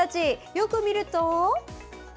よく見ると。